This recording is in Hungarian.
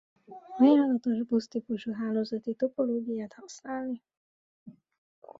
Ajánlatos busz típusú hálózati topológiát használni.